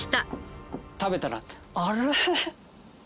食べたらあれ？